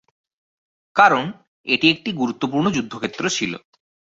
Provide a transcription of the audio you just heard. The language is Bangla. কারণ, এটি একটি গুরুত্বপূর্ণ যুদ্ধক্ষেত্র ছিল।